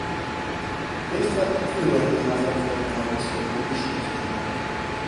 Részt vett a főrendiház reformjáról szóló diskurzusban.